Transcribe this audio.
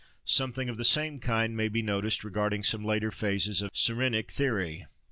Something of the same kind may be noticed regarding some later phases of Cyrenaic theory.